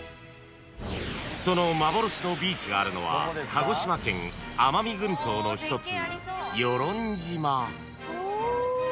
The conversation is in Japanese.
［その幻のビーチがあるのは鹿児島県奄美群島の一つ］